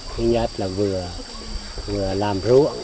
thứ nhất là vừa làm rũa